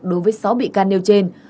đối với sáu bị can nêu trên